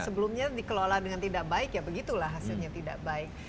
sebelumnya dikelola dengan tidak baik ya begitulah hasilnya tidak baik